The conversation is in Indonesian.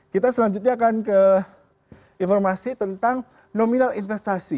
kita selanjutnya akan ke informasi tentang nominal investasi